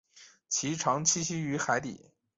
其常栖息于海底。